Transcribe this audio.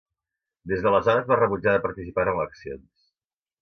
Des d'aleshores va rebutjar de participar en eleccions.